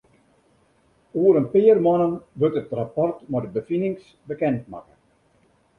Oer in pear moannen wurdt it rapport mei de befinings bekend makke.